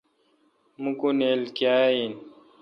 موکونلئہ کاں این